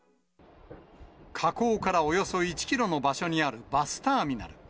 火口からおよそ１キロの場所にあるバスターミナル。